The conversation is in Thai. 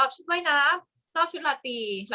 กากตัวทำอะไรบ้างอยู่ตรงนี้คนเดียว